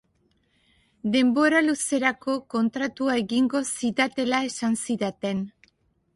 Denbora luzerako kontratua egingo zidatela esan zidaten.